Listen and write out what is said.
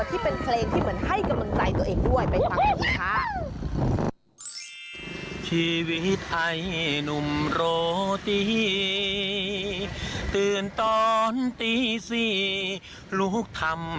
ที่เป็นเพลงที่เหมือนให้กำลังใจตัวเองด้วยไปฟังกันค่ะ